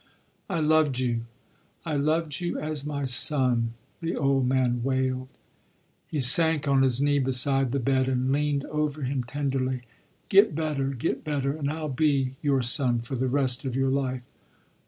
"I loved you I loved you as my son," the old man wailed. He sank on his knee beside the bed and leaned over him tenderly. "Get better, get better, and I'll be your son for the rest of your life."